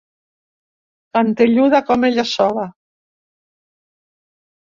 Cantelluda com ella sola.